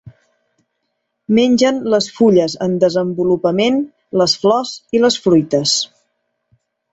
Mengen les fulles en desenvolupament, les flors i les fruites.